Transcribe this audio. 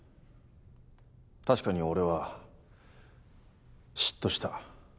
確かに俺は嫉妬した。